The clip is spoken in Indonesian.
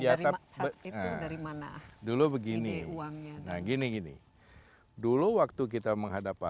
ya tapi itu dari mana dulu begini uangnya nah gini gini dulu waktu kita menghadapkan